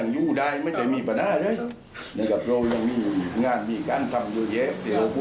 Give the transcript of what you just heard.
ที่เรียกวันต่ำนะครับ